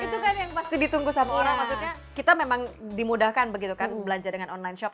itu kan yang pasti ditunggu sama orang maksudnya kita memang dimudahkan begitu kan belanja dengan online shop